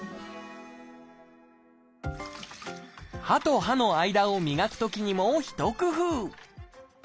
歯と歯の間を磨くときにも一工夫。